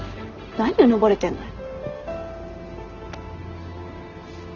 何うぬぼれてんのよ。